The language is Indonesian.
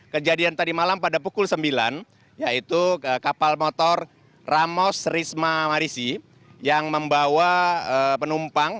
kejadian tadi malam pada pukul sembilan yaitu kapal motor ramos risma marisi yang membawa penumpang